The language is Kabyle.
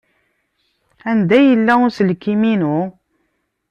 Anda yella uselkim-inu?